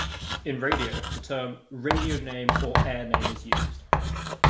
In radio, the term "radio name" or "air name" is used.